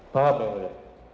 paham yang mulia